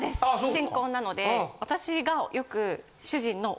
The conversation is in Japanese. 新婚なので私がよく。